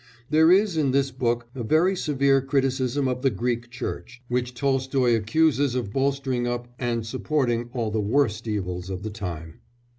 There is in this book a very severe criticism of the Greek Church, which Tolstoy accuses of bolstering up and supporting all the worst evils of the time.